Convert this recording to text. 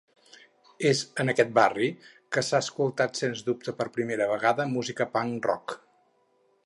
És en aquest barri que s'ha escoltat sens dubte per primera vegada música punk rock.